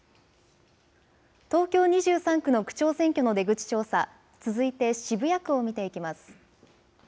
東京２３区の区長選挙の出口調査、続いて渋谷区を見ていきます。